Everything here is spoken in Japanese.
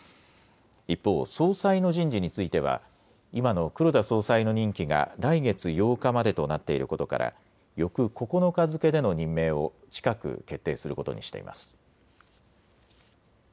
一方、総裁の人事については今の黒田総裁の任期が来月８日までとなっていることから翌９日付けでの任命を近く決定することにしています。